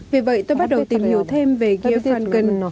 vì vậy tôi bắt đầu tìm hiểu thêm về gia phan cần